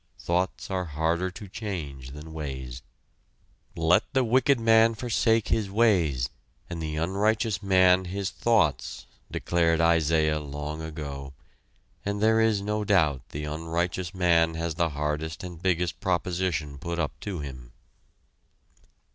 Thoughts are harder to change than ways. "Let the wicked man forsake his ways, and the unrighteous man his thoughts," declared Isaiah long ago, and there is no doubt the unrighteous man has the hardest and biggest proposition put up to him.